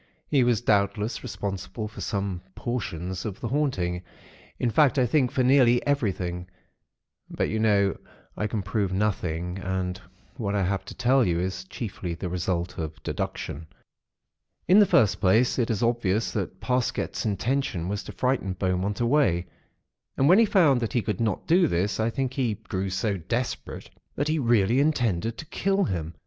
He was doubtless responsible for some portions of the 'haunting'; in fact I think for nearly everything; but, you know, I can prove nothing, and what I have to tell you is chiefly the result of deduction. "In the first place, it is obvious that Parsket's intention was to frighten Beaumont away; and when he found that he could not do this, I think he grew so desperate that he really intended to kill him.